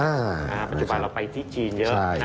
ปัจจุบันเราไปที่จีนเยอะนะครับ